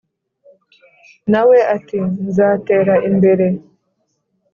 Nawe ati:”nzatera imbere”.